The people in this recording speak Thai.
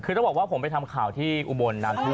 คือต้องว่าผมไปทำข่าวที่อุโมนนานทั่ว